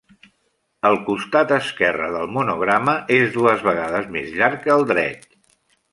El costat esquerre del monograma és dues vegades més llarg que el dret.